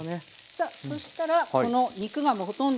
さあそしたらこの肉がほとんど。